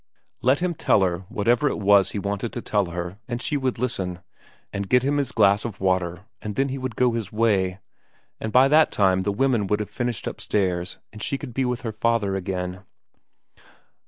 Let him tell her whatever it was he wanted to tell her, and she would listen, and get him his glass of water, and then he would go his way and by that time the women would have finished upstairs and she could be with her father again.